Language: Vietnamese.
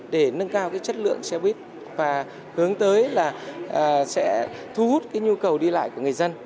để nâng cao chất lượng xe buýt và hướng tới là sẽ thu hút nhu cầu đi lại của người dân